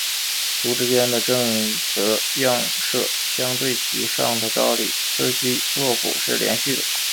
簇之间的正则映射相对其上的扎里斯基拓扑是连续的。